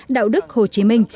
đạo đức hồ chí minh